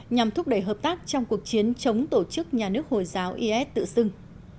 nhằm thúc đẩy hợp tác trong cuộc chiến chống tổ chức nhà nước hồi giáo is tự xưng